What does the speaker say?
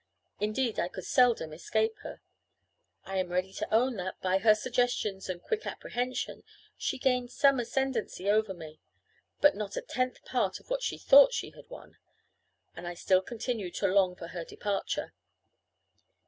Indeed, I could seldom escape her. I am ready to own that, by her suggestions and quick apprehension, she gained some ascendancy over me, but not a tenth part of what she thought she had won; and I still continued to long for her departure.